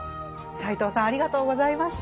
斎藤さんありがとうございました。